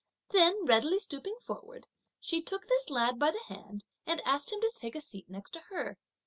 Then readily stooping forward, she took this lad by the hand and asked him to take a seat next to her.